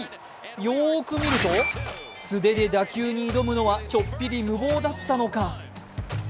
よーく見ると、素手で打球に挑むのはちょっぴり無謀だったのか。